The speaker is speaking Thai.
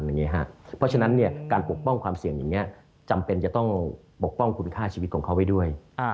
เพราะฉะนั้นการปกป้องความเสี่ยงอย่างนี้จำเป็นจะต้องปกป้องคุณค่าชีวิตของเขาไว้ด้วย